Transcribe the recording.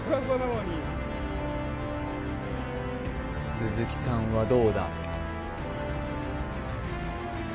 鈴木さんはどうだ？